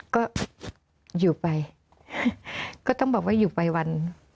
ก็อยู่ไปก็ต้องบอกว่าอยู่ไปวัน